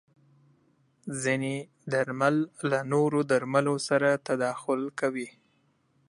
ځینې درمل له نورو درملو سره تداخل کوي.